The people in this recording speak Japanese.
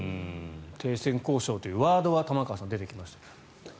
停戦交渉というワードは玉川さん、出てきました。